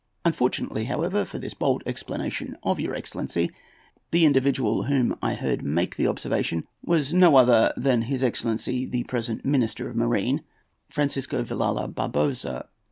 Unfortunately, however, for this bold explanation of your excellency, the individual whom I heard make the observation was no other than his excellency the present Minister of Marine, Francisco Villala Barboza.